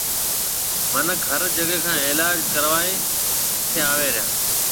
منک ھر جگھہ کان علاج لائيَ ھتيَ اچن ٿا